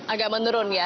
agak menurun ya